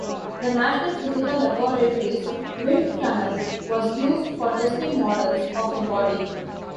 The National Physical Laboratory's wind tunnel was used for testing models of the body.